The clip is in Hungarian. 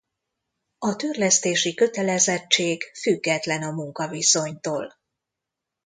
A törlesztési kötelezettség független a munkaviszonytól.